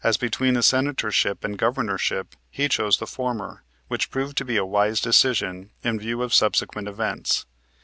As between the Senatorship and the Governorship he chose the former, which proved to be a wise decision, in view of subsequent events.